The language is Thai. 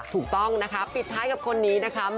ถูกต้องนะคะปิดท้ายกับคนนี้นะคะ